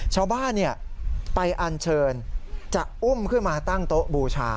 ชาวบ้านไปอันเชิญจะอุ้มขึ้นมาตั้งโต๊ะบูชา